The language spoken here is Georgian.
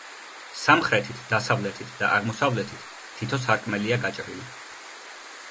სამხრეთით, დასავლეთით და აღმოსავლეთით თითო სარკმელია გაჭრილი.